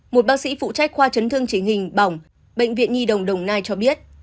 một bác sĩ phụ trách khoa chấn thương chế hình bỏng bệnh viện hiễu nghị đồng nai cho biết